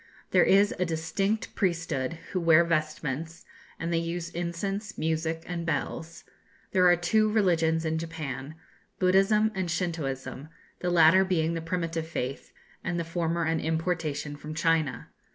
There is a distinct priesthood who wear vestments, and they use incense, music, and bells. There are two religions in Japan, Buddhism and Shintooism; the latter being the primitive faith, and the former an importation from China.